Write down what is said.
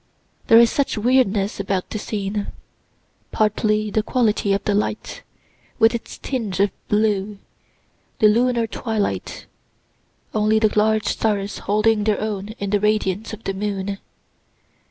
There is such weirdness about the scene partly the quality of the light, with its tinge of blue, the lunar twilight only the large stars holding their own in the radiance of the moon.